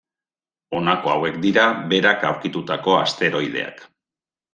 Honako hauek dira berak aurkitutako asteroideak.